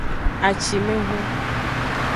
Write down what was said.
Acimevhun.